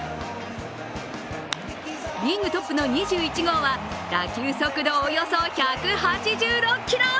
リーグトップの２１号は打球速度およそ１８６キロ。